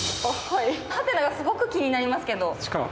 はてながすごく気になりますけれども。